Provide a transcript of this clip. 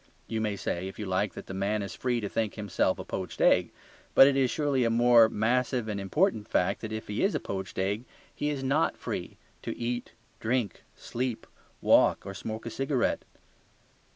You may say, if you like, that the man is free to think himself a poached egg. But it is surely a more massive and important fact that if he is a poached egg he is not free to eat, drink, sleep, walk, or smoke a cigarette.